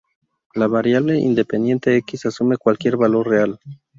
La variable independiente x asume cualquier valor real.